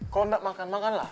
kalau tidak makan makanlah